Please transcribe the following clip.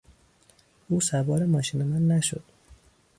او سوار ماشین من نشد.